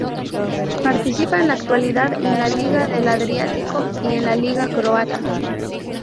Participa en la actualidad en la Liga del Adriático y en la Liga croata.